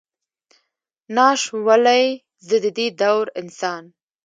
ناش ولئ، زه ددې دور انسان.